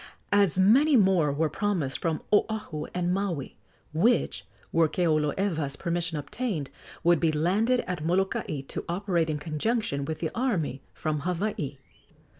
As many more were promised from Oahu and Maui, which, were Keoloewa's permission obtained, would be landed at Molokai to operate in conjunction with the army from Hawaii.